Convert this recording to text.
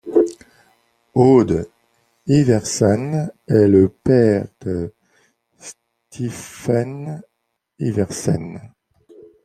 Odd Iversen est le père de Steffen Iversen.